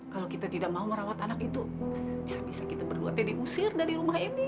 kalau kita tidak mau merawat anak itu bisa bisa kita berduanya diusir dari rumah ini